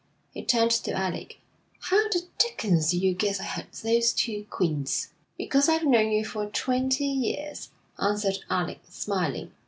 He turned to Alec. 'How the dickens did you guess I had those two queens?' 'Because I've known you for twenty years,' answered Alec, smiling.